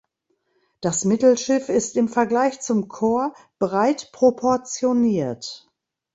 Das Mittelschiff ist im Vergleich zum Chor breit proportioniert.